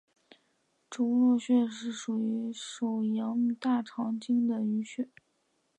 肘髎穴是属于手阳明大肠经的腧穴。